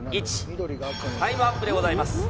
緑がタイムアップでございます